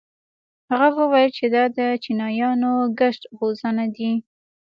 هغه وويل چې دا د چينايانو ګسټ هوزونه دي.